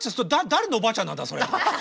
誰のおばあちゃんなんだそれって。